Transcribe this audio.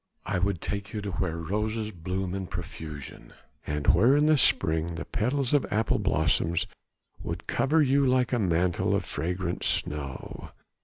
I would take you to where roses bloom in profusion, and where in the spring the petals of apple blossoms would cover you like a mantle of fragrant snow.